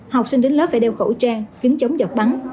học sinh đến lớp phải đeo khẩu trang kính chống giọt bắn